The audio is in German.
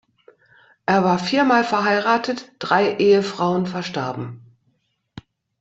Er war viermal verheiratet, drei Ehefrauen verstarben.